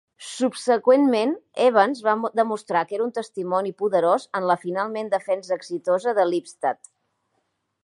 Subseqüentment, Evans va demostrar que era un testimoni poderós en la finalment defensa exitosa de Lipstadt.